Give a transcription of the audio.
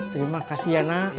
terima kasih ya nak